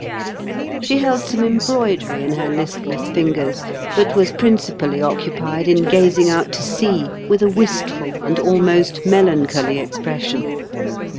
She held some embroidery in her listless fingers, but was prin cipally occupied in gazing out to sea with a wistful and almost melancholy expression.